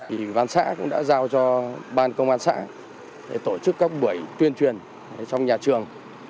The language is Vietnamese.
ủy ban xã cũng đã giao cho ban công an xã để tổ chức các buổi tuyên truyền trong nhà trường